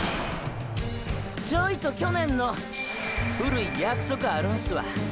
ちょいと去年の古い約束あるんすわ。